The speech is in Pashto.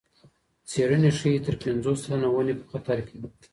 څېړنې ښيي تر پنځوس سلنه ونې په خطر کې دي.